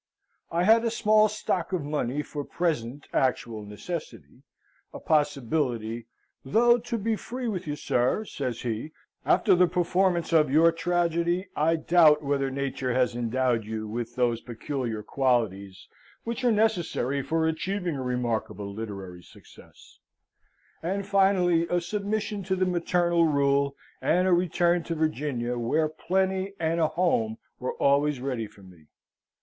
I had a small stock of money for present actual necessity a possibility, "though, to be free with you, sir" (says he), "after the performance of your tragedy, I doubt whether nature has endowed you with those peculiar qualities which are necessary for achieving a remarkable literary success" and finally a submission to the maternal rule, and a return to Virginia, where plenty and a home were always ready for me.